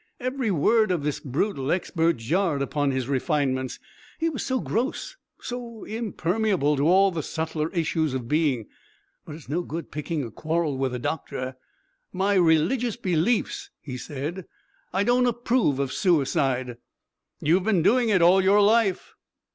Every word of this brutal expert jarred upon his refinements. He was so gross, so impermeable to all the subtler issues of being. But it is no good picking a quarrel with a doctor. "My religious beliefs," he said, "I don't approve of suicide." "You've been doing it all your life."